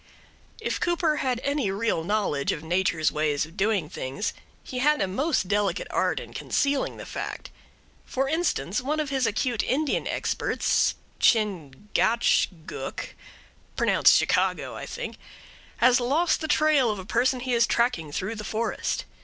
If Cooper had any real knowledge of Nature's ways of doing things, he had a most delicate art in concealing the fact. For instance: one of his acute Indian experts, Chingachgook (pronounced Chicago, I think), has lost the trail of a person he is tracking through the forest.